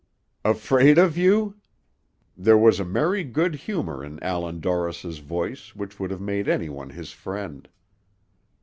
"Afraid of you!" There was a merry good humor in Allan Dorris's voice which would have made anyone his friend.